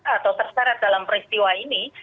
atau terseret dalam peristiwa ini